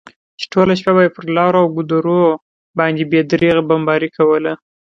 چې ټوله شپه به یې پر لارو او ګودرو باندې بې درېغه بمباري کوله.